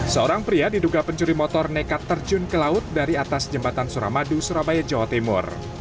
seorang pria diduga pencuri motor nekat terjun ke laut dari atas jembatan suramadu surabaya jawa timur